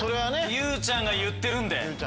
結ちゃんが言ってるんで。